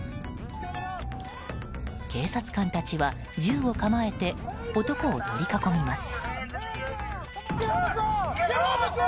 警察官たちは銃を構えて男を取り囲みます。